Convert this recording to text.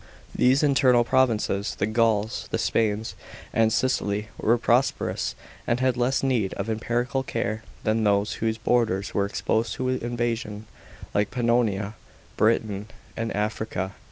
These internal provinces, the Gauls, the Spain s, and Sicily, were prosperous, and had less need of imperial care than those whose borders were exposed to invasion, like Pannonia, Britain, and Africa.